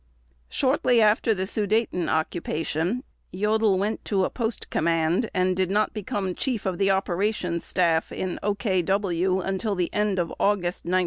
Shortly after the Sudeten occupation, Jodl went to a post command and did not become Chief of the Operations Staff in OKW until the end of August 1939.